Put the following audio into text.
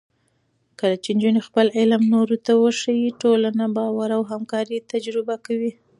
کله چې نجونې خپل علم نورو ته وښيي، ټولنه باور او همکارۍ تجربه کوي.